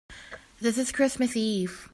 This is Christmas Eve.